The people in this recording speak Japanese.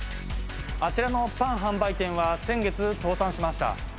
あちらのパン販売店は先月倒産しました。